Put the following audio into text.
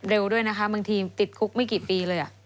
เร็วด้วยนะคะบางทีติดคุกไม่กี่ปีเลย